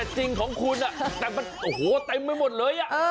จริงของคุณแต่มันเต็มไม่หมดเลย